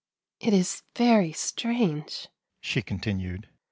. It is very strange," she continued.